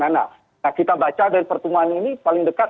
nah kita baca dari pertemuan ini paling dekat